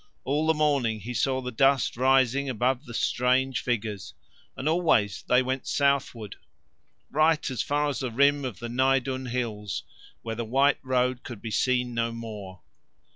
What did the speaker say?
All the morning he saw the dust rising above the strange figures and always they went southwards right as far as the rim of the Nydoon hills where the white road could be seen no more.